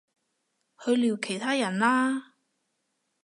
去聊其他人啦